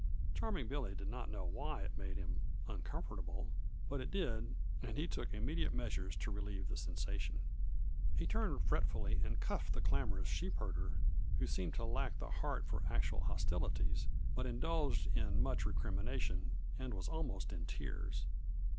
Charming Billy did not know why it made him uncomfortable, but it did and he took immediate measures to relieve the sensation. He turned fretfully and cuffed the clamorous sheepherder, who seemed to lack the heart for actual hostilities but indulged in much recrimination and was almost in tears.